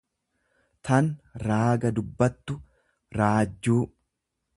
tan raaga dubbattu, raajjuu.